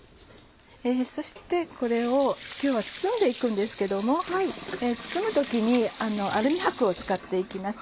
そしてこれを今日は包んで行くんですけども包む時にアルミ箔を使って行きます。